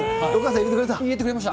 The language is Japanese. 入れてくれました。